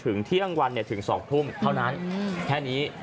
ถึงเที่ยงวันถึง๒ทุ่มเท่านั้นแค่นี้